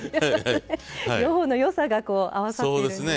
両方の良さがこう合わさってるんですね。